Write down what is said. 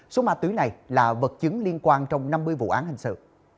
số ma túy này là vật chứng liên quan trong năm mươi vụ án hình sự